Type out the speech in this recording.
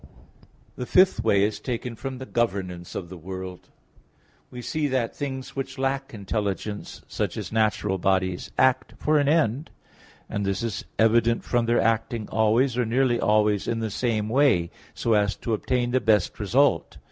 The fifth way is taken from the governance of the world. We see that things which lack intelligence, such as natural bodies, act for an end, and this is evident from their acting always, or nearly always, in the same way, so as to obtain the best result.